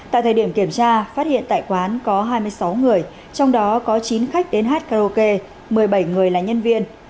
tại thời điểm kiểm tra phát hiện tại quán có hai mươi sáu người trong đó có chín khách đến hát karaoke một mươi bảy người là nhân viên